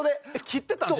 切ってたん？